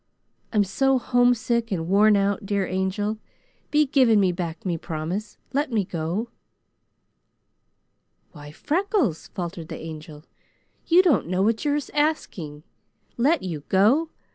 I'm so homesick and worn out, dear Angel, be giving me back me promise. Let me go?" "Why Freckles!" faltered the Angel. "You don't know what you are asking. 'Let you go!'